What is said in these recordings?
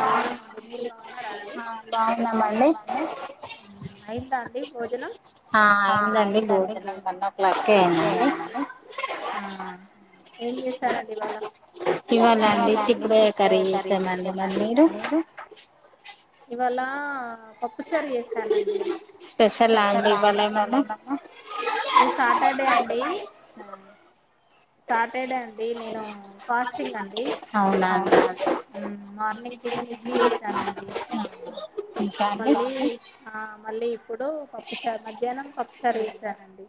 బాగున్నం అండి మీరు బాగున్నారా అండి బాగున్నాం అయిందా అండి భోజనం ఆ అయిందండి భోజనం వన్ ఓ క్లాక్ కే అయిందండి ఏం చేశారండి ఇవాళ ఇవ్వాలండి చిక్కుడుయ కర్రీ చేసాను అండి [unintelligible] మీరు ఇవాళ పప్పు చారు చేసానండి స్పెషల్ అండి ఇవాళ ఏం అన్న ఇ సాటర్డే అండి సాటర్డే అండి నేను ఫాస్టింగ్ అండి అవునా మార్నింగ్ టిఫిన్ ఇడ్లీ చేసానండి మళ్ళీ ఆ మళ్ళీ ఇప్పుడు పప్పు చారు మధ్యాహ్నం పప్పు చారు చేసానండి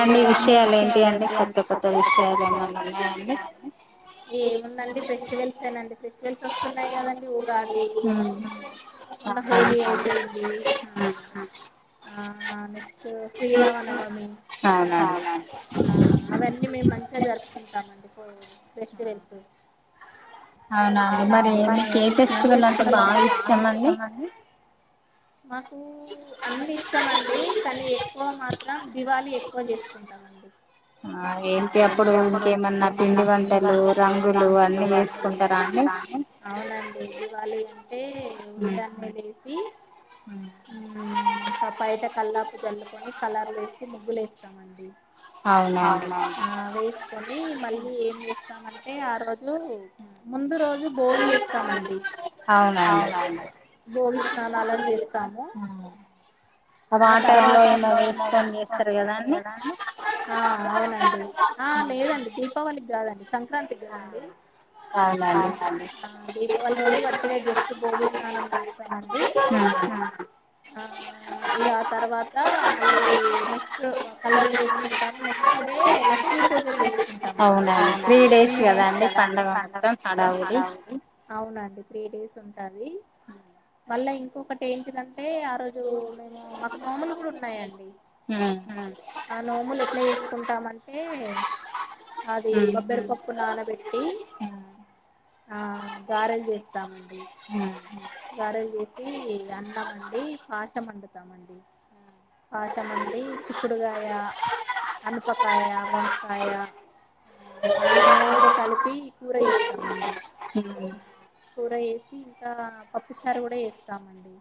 ఇంకా మీ విషయాలు ఏంటి అండి కొత్త కొత్త విషయాలు ఉన్నాయా అండి ఏముందండి ఫెస్టివల్స్ ఏండి ఫెస్టివల్స్ వస్తున్నాయి కదండి ఉగాది మొన్న హోలీ అయిపోయింది ఆ శ్రీరామణవమి అవన్నీ మేము మంచిగా జరుపుకుంటామండి ఆ ఫెస్టివల్స్ అవునా అండి మరి ఏ కే ఫెస్టివల్ అంతా బాగా ఇష్టం అండి మాకు అన్నిీ ఇష్టము అండి కానీ ఎక్కువ మాత్రం దివాళి ఎక్కువ చేసుకుంటామండి ఆ ఏంటి అప్పుడు ఇంకేమన్నా పిండి వంటలు రంగులు అన్నీ వేసుకుంటారా అని అవునండి దివాళి అంటే ఉదయాన్నే లేేసి తప్పయట కల్లాపుజల్ కొన్ని కలర్లు వేసి ముగ్గులు వేస్తాము అండి అవునా వేసుకొని మళ్ళీ ఏం వేస్తామంటే జు ముందు రోజు భోగి చేస్తామండి అవునవును భోగి స్నానాలని చేస్తాము ఆ తర్వాత స్తారు కదా అ ఆ అవునండి ఆ లేదండి దీపావళికి కాదడి సం సంక్రాంతి కి కదండి ఆ దీపావళి రోజు మట్ జస్ట్ భోగి స్నానం చేస్తామండి ఆ ఇక ఆ తర్వాత ఆది నెక్స్ట్ ఆ కలర్స్ ఏసిఉంటాము నెక్స్ట్ డే లక్ష్మీ పూజ చేసుకుంటాము అండి అవునండి త్రీ డేస్ ఉంటాది మళ్ళ ఇంకోకట్ టి ఏంటిందంటే ఆ రోజు మేము మాకు నోములు కూడా ఉన్నాయన్ డి ఆ నోములు ఎట్లా చేసుకుంటామంటే అది బబ్బెరపప్పు నానబెట్టి ఆ గారెలు చేస్తామండి గారెలు చేసి అన్నం అండి పాశం వండు తామండి పాశమ అండి చిక్కుడుకాయ అనుపకాయ వంకాయ అయి మూడు కళపి కూర చేస్తాం అండి కూర ఏస్ ఇంకా పప్పు చారు కూడా ఏస్తామండి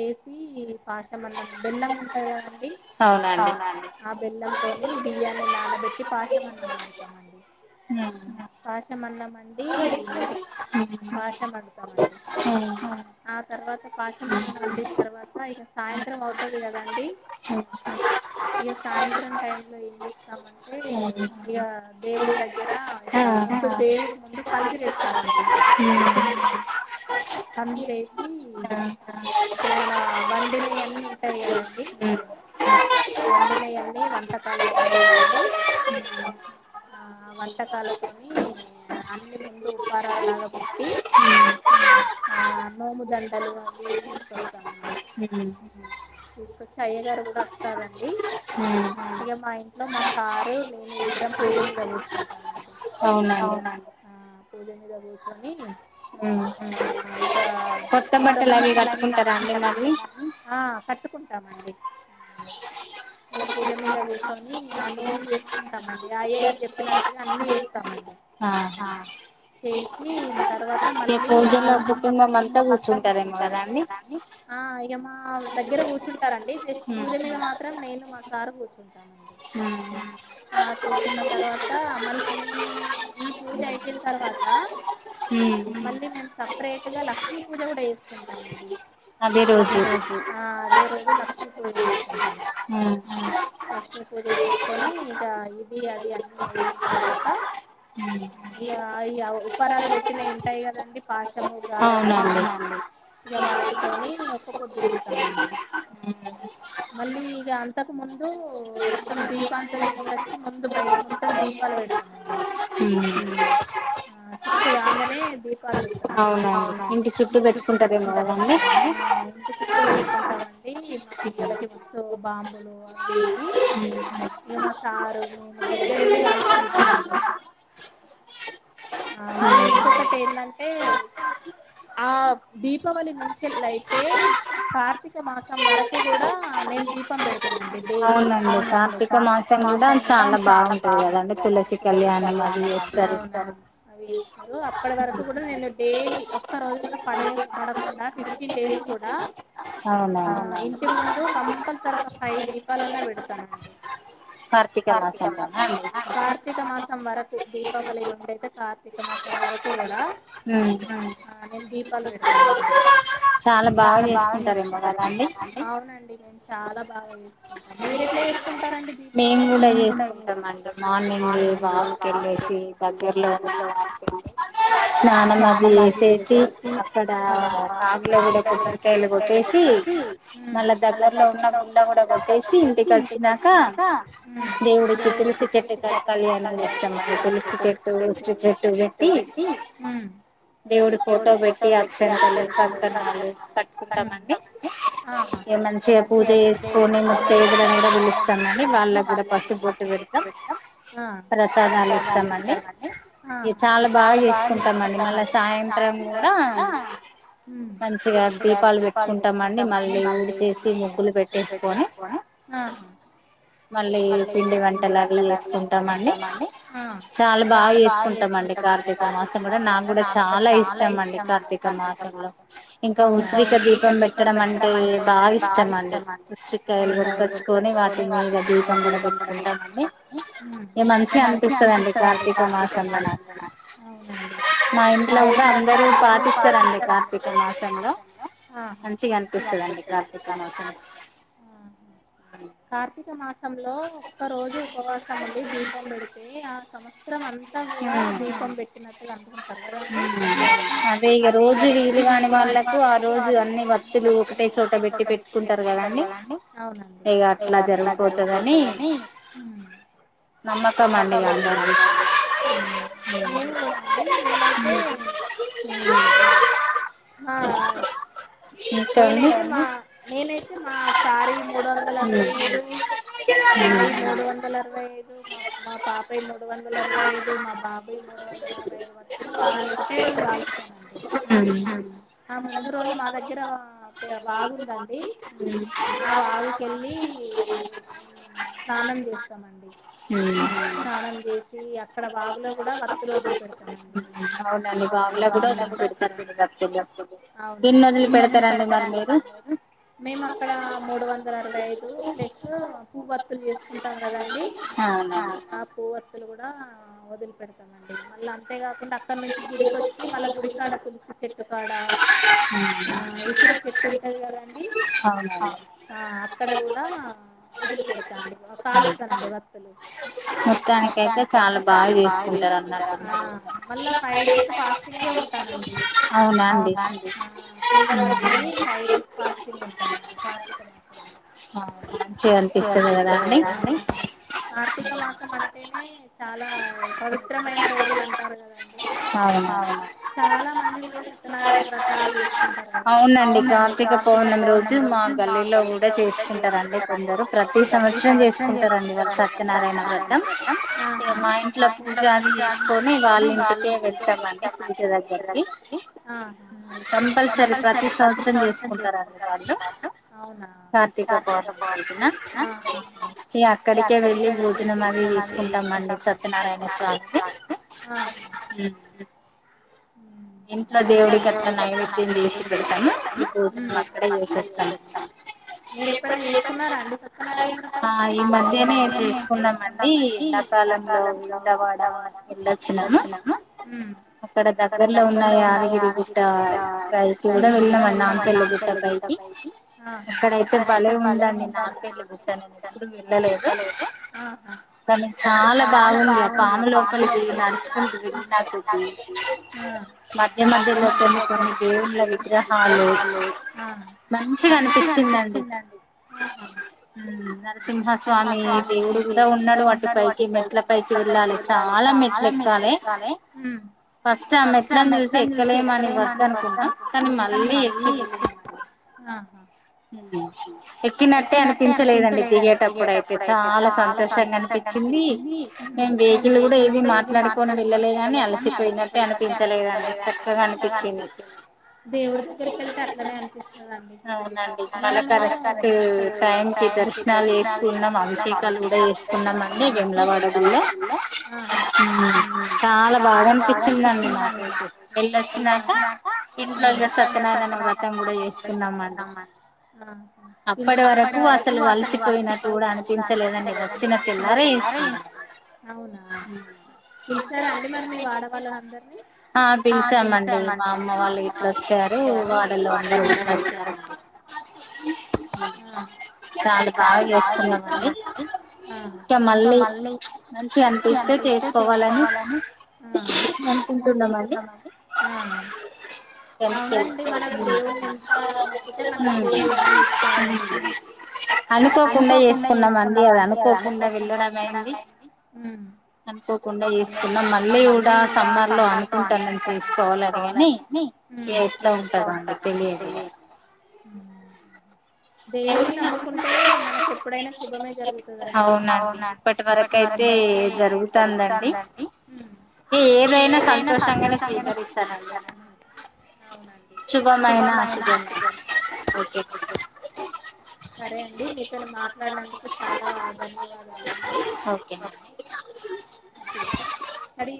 ఏసి పాష అల్లం బెల్లం ఉంటాది కదం డి ఆ బెల్లంతోని బియ్యాన్ని నానబెట్టి పాషమన్నం వండుతామండి పాషమన్నం అండి పాషం వండుతామండి తర్వాత పాష్ మన్నామండిన తర్వాత ఇక సాయంత్రం అవుతది కదండి ఇక సాయంత్రం టై లో ఏం చేస్తామంటే ఇక దేవుడి దగ్గర ఇట్లా ముందు దేవుడు ముందు పందిరేస్తామండి పందిరేసి ఇప్పుడు మన వండినయ్య అన్ని ఉంటాయి కదండి వండినయన్ని వంటకాలు ఉంటాయి కదండి ఆ వంటకాలతోని అన్ని ముందు ఉపారాలులాగ పెట్టి ఆ నోముదండలు ఏది తీసుకొస్తామండి తీసుకొచ్చి అయ్య గారు కూడా వస్తారంండి ఇగా మా ఇంట్లో మా సారు నేను ఇద్దరం పూజ మీద కూసుంటానండి ఆ పూజ మీద కూర్చొని ఇక కొత్త బట్టల్ కొత్త బట్టలు అవి కట్టుకుంటారా మళ్లీ కుంటామండి ఇక పూజ మీద కూసోని ఆ నోములు చేసుకుంటాంమండి అయ్య గారు చెప్పినట్టుగా అన్నీ చేస్ స్తామండి ఆ చేసి తర్వాత మళ్ళీ ఆ అజున కుటుంబం అంతా కూచుని స్తారేమో కదండి మా దగ్గర కూర్చుంటారంండి జస్ట్ పూజ మీద మాత్రం నేను మా సార్ కూర్చుంటానుండి కూర్చున్న తర్వాత మళ్లీ ఈ పూజ అయిపోయిన తర్వాత మళ్లీ మేము సపరేట్ గా లక్ష్మీ పూజ కూడా చేస్ కున్ టాం అండి అదే రోజు ఆ అదే [inaudible] లక్ష్మీ పూజ [inaudible] ఊ లక్ష్మి పూజ చేసుకొని ఇక ఇది అది అన్నీ అయిపోన తర్వాత ఇక ఈ ఆ ఉపరాలు పెట్టినయి ఉంటాయి కదండి పాస్ అవునండి ఇక వాటితోని ఒక్కపొద్దిడుస్తామండి మళ్ళీ ఇగ అంతకు ముందు మొత్తం దీపాంతా తీసుకొచ్చి ముందు బయట మొత్తం దీపాలు పెడతామండి ఆ సిక్స్ కాంగానే పాలు పెడతామండి ఇంటి చుట్టూ పెట్ ఊ ఇంటి చుట్టూ పెట్టుకుంటామండి మా పిల్లలకి మస్తు బాంబులు అవ్వి ఇవ్వి ఈ మా సారు మేము దగ్గర ఉండి కాల్చుకుంటామండి ఆ మళ్ళీ ఇంకొకటి ఏంటంటే ఆ దీ దీపావళి నుంచిలయితే కార్తీక మాసం వరకు కూడా నేను దీపం పెడతానండి డైలీ అవునండి కార్తీక మాసం కూడా చాలా బాగుంటది కదండి తులసి కళ్యాణ మాటం చేస్తారు అ అవును అప్పటి వరకు కూడా నేను డైలీ ఒక్క రోజు కూడా పడయ అరకుండా ఫిఫ్టీన్ డేస్ కూడా ఇంటి ముందు కంపల్స్ తరవాత ఫైవ్ దీపాలన్నా పెడతానండి కార్తీక మాసం కార్తీక మాసం వరకు దీపావళి ఉండ అయితే కార్తీక మాసం వరకు కూడా హ అన్ని దీపాలు పెడతాం హామ్ చాలా బాగా చేసుకుంటారు అ అనండి చాలా బాగా చేసుకుంటారు మీరు ఎట్లా కుంటడి దీపావళి మేము కూడా చేసుకుంటామండి మార్నింగ్ ముగ్గులు వెళ్ళేసి దగ్గర్లో ఉన్నస్నానం అది చేసేసి హా నాగుల గుడి లో కూడా కొబ్బరికాయలు కొట్టేసి మళ్ళా దగ్గరలో ఉన్న గుడి లా కూడా కొట్టేసి ఇంటికి వచ్చినాక దేవుడికి తులసి చెట్టు కాడ కళ్యాణం చేస్తాం తులసి చెట్టు ఉసిరి చెట్టు పెట్టి దేవుడి ఫోటో పెట్టి అక్షంతలు కంకణాలు కట్టుకుంటామ అన్ని ఇ మంచిగా పూజ చేసుకొని ముత్తైదువులు కూడా పిలుస్తాము రాని వాళ్ళ దగ్గర పసుపు బొట్టు పెడతాం హా ప్రసాదాలు ఇస్తాంమని హా ఇగ చాలా బాగా చేసుకుంటాం మళ్ళా సాయంత్రం హా హ్మ మంచిగా దీపాలు పెట్టుకుంటామ అండి, మళ్ళీ ఊడ్చేసి ముగ్గులు పెట్టేసుకొని హా మళ్ళీ పిండి వంటలు అవి చేసుకుంటామ అండి, చాలా బాగా చేసుకుంటామ అండి కార్తీక మాసం కూడా నాకు కూడా చాలా ఇష్టం అండి. కార్తీక మాసంలో, ఇంకా ఉసిరిక దీపం పెట్టడం అంటే బాగా ఇష్టం అండి, ఉసిరికాయలు కొనుక్కొచ్చుకొని వాటి మీ దీ పందర దిట్ంటాని మంచిగా అనిపిస్తందిండి కార్తీక మాసంలో మా ఇంట్లో కూడా పాటిస్తరండి కార్తీక మాసంలో మంచిగ అనిపిస్తదండి కార్తీక మాసం కార్తీక మాసంలో ఒక్క రోజు ఉపవాసం ఉండి దీపం పెడితే ఆ సంవత్సరం అంతా కూడా దీపం పెట్టినట్టుగా అంటు ఉంటారు కదండి అవునండి. మేము కూడా అండి మేమైతే, ఆ నేనైతే మా నేనైతే మా సార్ వి మూడు వందల అరవై దు నావి మూడు వందల అరవై ఐదు, మా మా పాపవి మూడు వందల అరవై ఐదు, మా బాబువి మూడు వందల అరవై ఐదు వత్తులు ఆ రోజు ఒకటే రోజు కాలుస్తాం. ఆ ముందు రోజు మా దగ్గర వాగు ఉందండి. ఆ వాగుకెళ్ళి స్నానం చేస్తామండి. స్నానం చేసి అక్కడ వాగులో కూడా వత్తులు వదిలి పెడతానండి. అవునండి. మేము అక్కడ మూడు వందల అరవై ఐదు ప్లస్ పూవ్వత్తులు చేసుకుంటాం కదండి ఆ పూవత్ త్తులు కూడా వదిలి పెడతామండి మళ్ళ టె కాకుండ అక్కడి నుంచి గుడికొచ్చి చ్చి మళ్ళ గుడి కాడ తులసి చెట్టు కాడ ఆ ఇసరి చెట్ ఉంటది కదన్ న్డి ఆ అక్కడ కూడా వదులు పెడుతా అండి పాలిస్తాడంట ఒగాప్ హలో మొత్తానికైతె చాల బాగా చేసుకుంటరు అన్నట్టు కిందె ఉంటానండి ఆ కింద పడుకొని ఫైవ్ డేస్ ఫాస్ టింగ్ ఉంటానండి. కార్తీక మాసంలో ఆ మంచిగ అనిపిస్తది కదా అండి కార్తిక మాసం అంటేన్ నే చాలా పవిత్రమైన రోజులు అంటారు కదాన్ డి అవును చాల్ [unintelligible] మంది కూడా సత్యనారాయణ వ్రతాలు చేసుకుంటారండి అవునండి కార్తీక పౌర్ణమి రోజు మా గల్లిల్లో కూడా చేసుకుంటారండి కొందరు ప్రతి సంవత్సరం చేసుకుంటారండి వా సత్యనారాయణ వ్రతం మా ఇంట్లో పూజ అది చేసుకొని ఇగ వాళ్ళ ఇంటికే వెళ్తామండి ఆ కంపల్సరీ ప్రతి సంవత్సరం తీసుకుంటారన్నమాట అవునా కార్తీక పౌర్ణమి ఇగ అక్కడికే వెళ్ళి భోజనం అది తీసుకుంటాం అండి సత్యనారాయణ స్వామిది ఇంకా దేవుడికి అట్లా నైవేద్యం చేసి పెడతాము భోజనం అక్కడే చేసేస్తాము మీరు ఎప్పుడైనా చేసుకున్నారా అండి సత్యనారాయణ వ్రతాలు మరి ఆ ఈ మధ్యనే చేసుకున్నామండి ఎండాకాలంలో [unintelligible] వచ్చిన క్కడద దగ్గర్లో ఉన్న యాదగిరి గుట్ట పైకి కూడా వెళ్ళామండి నాంపల్లి గుట్ట పైకి అక్కడైతే బలే ఉందండి నాంపల్లి గుట్ట నేను ఎప్పుడు వెళ్ళలేదు కానీ చాలా బాగుంది ఆ పాము లోపలికి నడుచుకుంటూ వెళ్ళినట్టుంది [unintelligible] మధ్య మధ్యల కొన్ని దేవుళ్ళ విగ్రహాలు మంచిగా అనిపించిందండి నరసింహస్వామి [unintelligible] ఉన్నాడు వాటిపైకి మెట్ల పైకి చాలా మెట్లు ఎక్కాలి ఫస్ట్ ఆమెట్లని చూసి ఎక్కలేమ అని వద్దు అనుకున్న కాని మళ్ళీ ఎ ఆహా [inaudible] ఎక్కినట్టే అనిపించలేదండి దిగేటప్పుడు అయితే చాలా సంతోషంగా అనిపించింది మేం వెహికల్ కూడా ఏది మాట్లాడుకొని వెళ్ళలేదని అలసిపోయినట్టే అనిపించలేదండి చక్కగా అనిపించింది దేవుడి దగ్గరిక వెళ్తే అట్లనేే అనిపిస్తుందండి మల్లా కరెక్ట్ టైం కి దర్శనాలు చేసుకున్నాం అభిషేకాలు కూడా చేసుకున్నాం అండి వేములవాడల కూడా చాలా బాగా అనిపించిందండి నాకు వెళ్ళిచినాక ఇంట్లో సత్యనారాయణ వ్రతం కూడా చేసుకున్నామండి అప్పటి వరకు అసలు అలసిపోయినట్టు కూడా అనిపించలేదండి వచ్చిన తెల్లారే చేసుకున్న అవునా పిలిచారా అండి మరి మీ వాడవాళ్ళ అందరిని పిలిచామండి మా అమ్మ వాళ్ళు వచ్చారు వాడలో చాలా బాగా చేసుకున్నాం అండి ఇంకా మళ్ళీ మంచిగా అనిపిస్తే చేసుకోవాలని అనుకుంటున్నామండి అవునండి మనం దేవుని ఎంత మొక్కితే మన దేవుడు అన్ని ఇస్తాడు అనుకోకుండా చేసుకున్నాం అండి అది అనుకోకుండా వెళ్ళడం అయింది అనుకోకుండా చేసుకున్నాం మళ్ళీ కూడా సమ్మర్ లో అనుకుంటనం చేసుకోవాలని అని ఇగ ఎట్ల ఉంటదో తెలియదు దేవుని నమ్ముకుంటే మనకి ఎప్పుడైనా శుభమే జరుగుతుందండి అవునండి ఇప్పటి వరక అయితే జరుగుతుందండి ఏదైనా సంతోషంగానే స్వీకరిస్తానండీ అవునండి శుభమైనా ఆశుభమయినా సరే అండి మీతో మాట్లాడినందుకు చాలా ధన్యవాదాలండి ఒకే అండి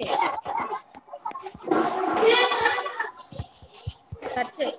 కట్చేయి